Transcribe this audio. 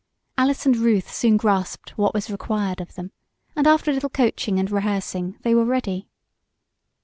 Alice and Ruth soon grasped what was required of them, and, after a little coaching and rehearsing, they were ready.